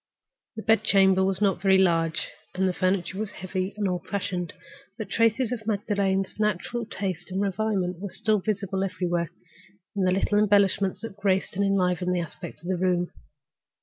The bed chamber was not very large, and the furniture was heavy and old fashioned. But evidences of Magdalen's natural taste and refinement were visible everywhere, in the little embellishments that graced and enlivened the aspect of the room.